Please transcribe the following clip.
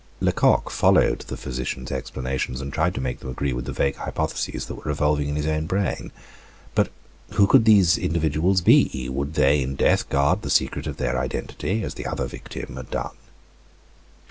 Lecoq followed the physician's explanations, and tried to make them agree with the vague hypotheses that were revolving in his own brain. But who could these individuals be? Would they, in death, guard the secret of their identity, as the other victim had done?